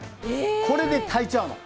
これで炊いちゃうの。